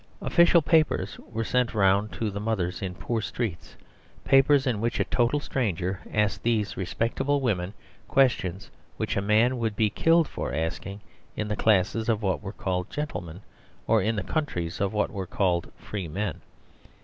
Official papers were sent round to the mothers in poor streets; papers in which a total stranger asked these respectable women questions which a man would be killed for asking, in the class of what were called gentlemen or in the countries of what were called free men.